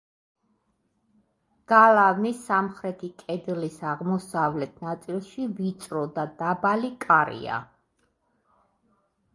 გალავნის სამხრეთი კედლის აღმოსავლეთ ნაწილში ვიწრო და დაბალი კარია.